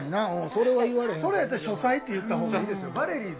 それやったら書斎って言った方がいいですよ。